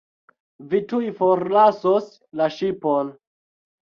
Vi tuj forlasos la ŝipon.